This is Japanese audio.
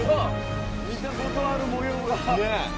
見たことある模様が。